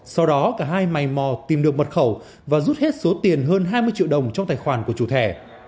sau đó cả hai mày mò tìm được mật khẩu và rút hết số tiền hơn hai mươi triệu đồng trong tài khoản của chủ thẻ